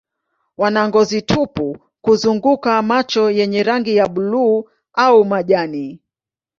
Wana ngozi tupu kuzunguka macho yenye rangi ya buluu au majani.